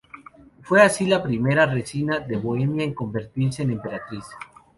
Fue así la primera Reina de Bohemia en convertirse en emperatriz.